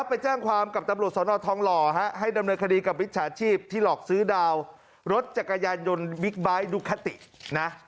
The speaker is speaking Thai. ไปแจ้งความกับตำรวจสนทองหล่อให้ดำเนินคดีกับวิชาชีพที่หลอกซื้อดาวรถจักรยานยนต์บิ๊กไบท์ดูคาตินะ